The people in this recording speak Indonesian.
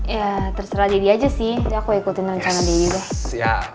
ya terserah deddy aja sih aku ikutin rencana deddy deh